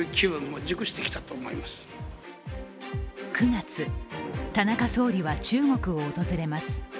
９月、田中総理は中国を訪れます。